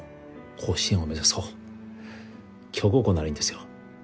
甲子園を目指そう強豪校ならいいんですよ